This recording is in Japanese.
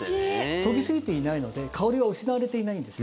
研ぎすぎていないので香りが失われていないんです。